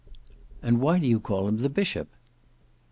"And why do you call him the Bishop?"